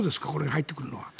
入ってくるのは。